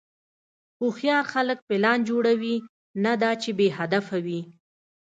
هوښیار خلک پلان جوړوي، نه دا چې بېهدفه وي.